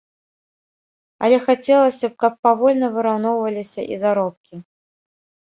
Але хацелася б, каб павольна выраўноўваліся і заробкі.